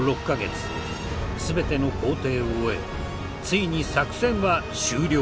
全ての工程を終えついに作戦は終了。